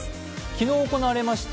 昨日行われました